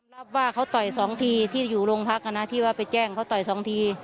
รับว่าเขาต่อยสองทีที่อยู่โรงพักนะที่ว่าไปแจ้งเขาต่อยสองที